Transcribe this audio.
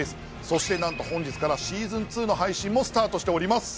そしてなんと本日からシーズン２の配信もスタートしております。